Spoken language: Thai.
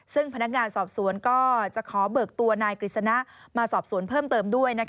ซึ่งพนักงานสอบสวนก็จะขอเบิกตัวนายกฤษณะมาสอบสวนเพิ่มเติมด้วย